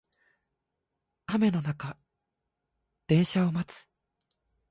雨の中電車を待つ